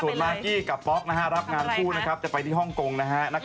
ส่วนมากกี้กับป๊อกรับงานคู่จะไปที่ฮ่องกงนะฮะ